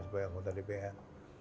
supaya kita di dpr